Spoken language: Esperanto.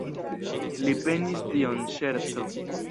Li penis tion ŝerco.